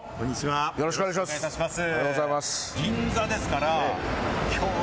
よろしくお願いします。